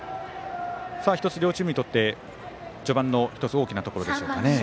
１つ、両チームにとって序盤の大きなところでしょうか。